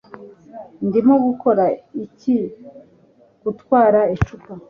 Ndimo gukora iki gutwara icupa